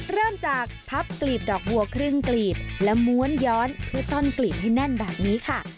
เริ่มจากพับกลีบดอกบัวครึ่งกลีบและม้วนย้อนเพื่อซ่อนกลีบให้แน่นแบบนี้ค่ะ